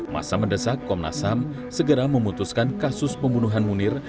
masa mendesak komnas ham segera memutuskan kasus pembunuhan munir